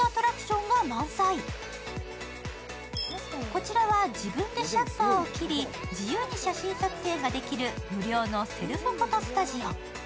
こちらは自分でシャッターを切り、自由に写真撮影ができる無料のセルフフォトスタジオ。